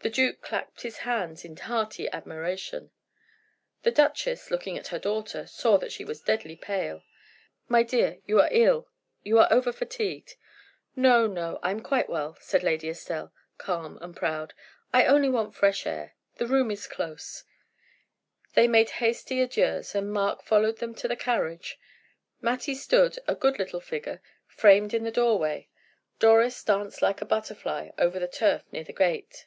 The duke clapped his hands in hearty admiration. The duchess, looking at her daughter, saw that she was deadly pale. "My dear; you are ill; you are over fatigued!" "No, no, I am quite well," said Lady Estelle, calm and proud; "I only want fresh air; the room is close." They made hasty adieus, and Mark followed them to the carriage; Mattie stood, a good little figure, framed in the doorway. Doris danced like a butterfly over the turf near the gate.